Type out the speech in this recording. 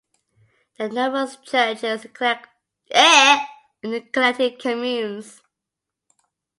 There are numerous churches in the connected communes.